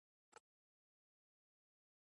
د ماښام دعا د زړونو آرام لپاره غوره ده.